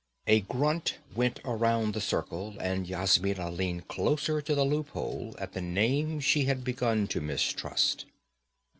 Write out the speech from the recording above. A grunt went around the circle, and Yasmina leaned closer to the loop hole at the name she had begun to mistrust.